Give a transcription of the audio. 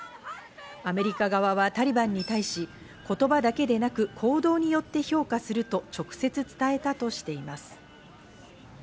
アメリカ側はタリバンに対し、言葉だけでなく行動によって評価すると直接伝えたとしています。